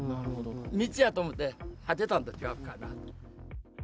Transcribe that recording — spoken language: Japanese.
道やと思って入っていったんと違うかな。